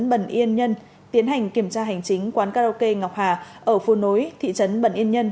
bần yên nhân tiến hành kiểm tra hành chính quán karaoke ngọc hà ở phố nối thị trấn bẩn yên nhân